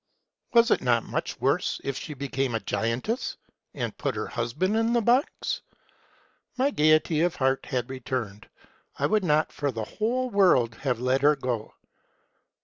Were it not much worse if she became a giantess, and put her husband in the box ? My gayety of heart had returned. I would not for the whole world have let her go.